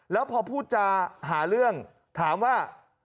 แล้วพอพูดจาหาเรื่องถามว่า